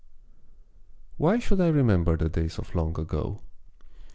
Why should I remember the days of long ago?